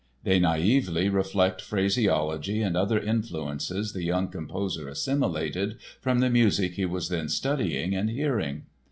They naïvely reflect phraseology and other influences the young composer assimilated from the music he was then studying and hearing.